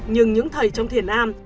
nhưng những thầy trong thiền am